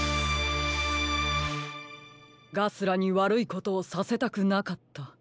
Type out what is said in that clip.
ガスラにわるいことをさせたくなかった。